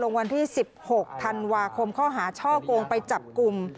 วันที่๑๖ธันวาคมข้อหาช่อกงไปจับกลุ่ม